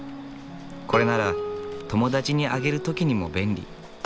これなら友達にあげる時にも便利。